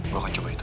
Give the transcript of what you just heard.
gak akan coba itu